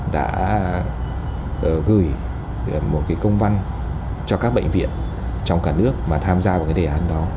đã gửi một công văn cho các bệnh viện trong cả nước mà tham gia vào cái đề án đó